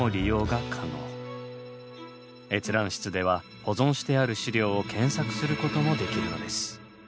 閲覧室では保存してある資料を検索することもできるのです。